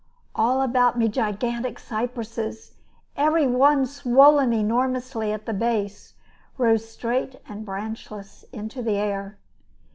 All about me gigantic cypresses, every one swollen enormously at the base, rose straight and branchless into the air.